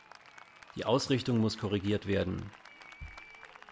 Diese Ausrichtung muss korrigiert werden.